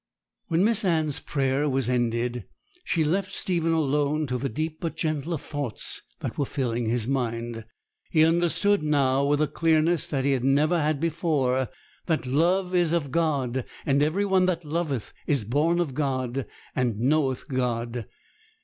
When Miss Anne's prayer was ended, she left Stephen alone to the deep but gentler thoughts that were filling his mind. He understood now, with a clearness that he had never had before, that 'love is of God; and every one that loveth is born of God, and knoweth God.'